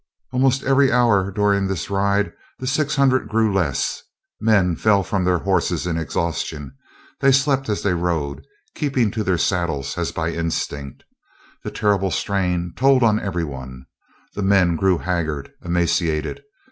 At almost every hour during this ride the six hundred grew less. Men fell from their horses in exhaustion. They slept as they rode, keeping to their saddles as by instinct. The terrible strain told on every one. The men grew haggard, emaciated.